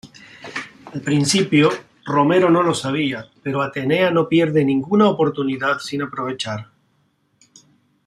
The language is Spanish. Al principio, Romero no lo sabía, pero Atenea no pierde ninguna oportunidad sin aprovechar.